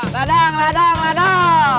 ladang ladang ladang